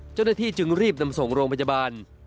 เจ้าหน้าที่จึงรีบนำส่งโรงพยาบาล